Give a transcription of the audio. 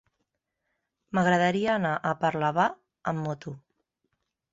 M'agradaria anar a Parlavà amb moto.